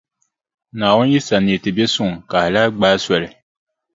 Naawuni yi sa neei ti biɛʼ suŋ ka a lahi gbaai soli.